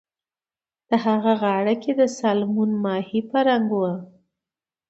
د هغه غاړه کۍ د سالمون ماهي په رنګ وه